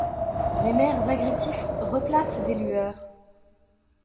Les maires agressifs replacent des lueurs!